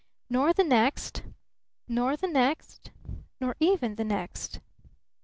Nor the next nor the next nor even the next.